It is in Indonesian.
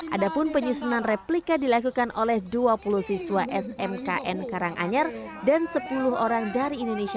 adapun penyusunan replika dilakukan oleh dua puluh siswa smkn karanganyar dan sepuluh orang dari indonesia